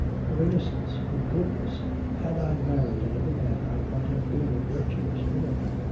'Her innocence! her goodness! Had I married another man I might have been a virtuous woman.